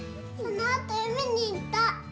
そのあと海に行った。